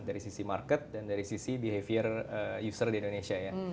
dari sisi market dan dari sisi behavior user di indonesia ya